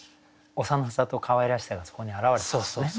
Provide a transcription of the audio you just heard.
幼さとかわいらしさがそこに表れてますね。